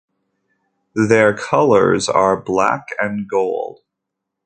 Their colors are black and gold.